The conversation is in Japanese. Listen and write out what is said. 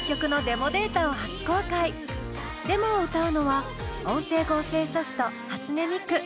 デモを歌うのは音声合成ソフト初音ミク。